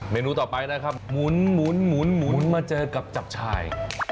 นูต่อไปนะครับหมุนมาเจอกับจับชาย